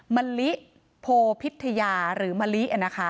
มะลิโพพิทยาหรือมะลินะคะ